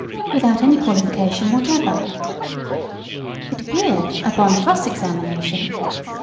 without any qualification whatever. It appeared, upon cross examination: 1.